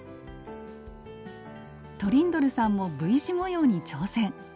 トリンドルさんもＶ字模様に挑戦！